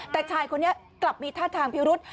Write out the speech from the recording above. แต่ชายคนนี้กลับมีท่าทางพิรุษ